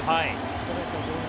ストレート、ボール